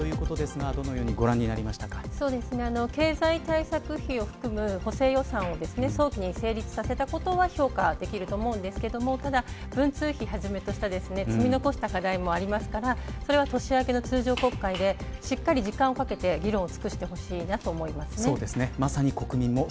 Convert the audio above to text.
金子さん臨時国会が閉会ということですが経済対策費を含む補正予算を早期に成立させたことは評価できると思いますがただ、文通費をはじめとした積み残した課題もありますからそれは年明けの通常国会でしっかり時間をかけて議論を尽くしてほしいと思います。